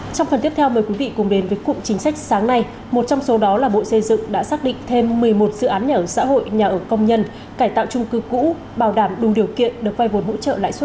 trong phần tiếp theo mời quý vị cùng đến với cụm chính sách sáng nay một trong số đó là bộ xây dựng đã xác định thêm một mươi một dự án nhà ở xã hội nhà ở công nhân cải tạo trung cư cũ bảo đảm đủ điều kiện được vai vốn hỗ trợ lãi suất